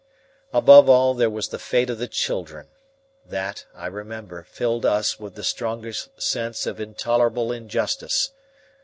Above all, there was the fate of the children. That, I remember, filled us with the strongest sense of intolerable injustice.